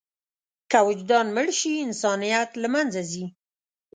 که وجدان مړ شي، انسانیت له منځه ځي.